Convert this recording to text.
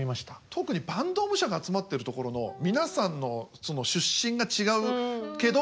特に坂東武者が集まってるところの皆さんの出身が違うけど。